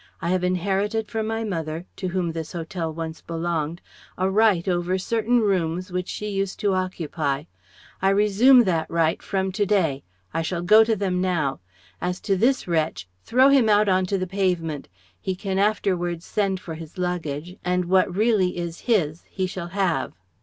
I have inherited from my mother, to whom this hotel once belonged, a right over certain rooms which she used to occupy. I resume that right from to day. I shall go to them now. As to this wretch, throw him out on to the pavement. He can afterwards send for his luggage, and what really is his he shall have."